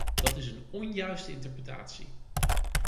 Dat is een onjuiste interpretatie.